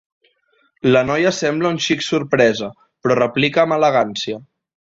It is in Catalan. La noia sembla un xic sorpresa, però replica amb elegància.